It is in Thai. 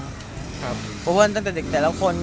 เพราะเพราะเพราะตั้งแต่เด็กแต่ละคน